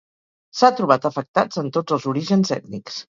S'ha trobat afectats en tots els orígens ètnics.